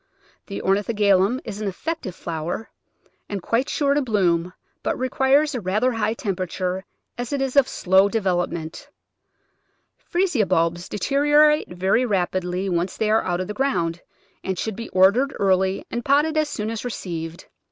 The Ornithogalum is an effective flower, and quite sure to bloom, but requires a rather high temperature, as it is of slow development. Freesia bulbs deteriorate very rapidly once they are out of the ground, and should be ordered early and potted as soon as received.